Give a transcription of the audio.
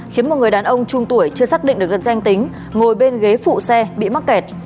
khiến một người đàn ông trung tuổi chưa xác định được gần danh tính ngồi bên ghế phụ xe bị mắc kẹt